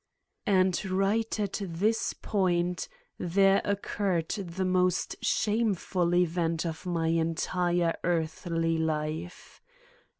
And right at this point there occurred the most shameful event of my entire earthly life.